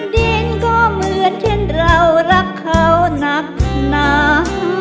ดินก็เหมือนเช่นเรารักเขานักหนา